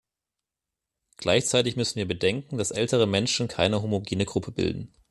Gleichzeitig müssen wir bedenken, dass ältere Menschen keine homogene Gruppe bilden.